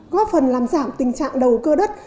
góp phần làm giảm tình trạng đầu cơ đất